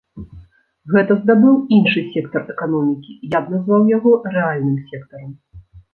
Гэта здабыў іншы сектар эканомікі, я б назваў яго рэальным сектарам.